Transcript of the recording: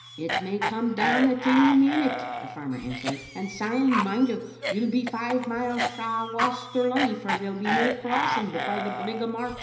"It may come down at any minute," the farmer an swered, "and syne, mind you, you'll be five miles frae Waster Lunny, for there'll be no crossing but by the Brig o' March.